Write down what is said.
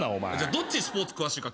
どっちスポーツ詳しいか決める？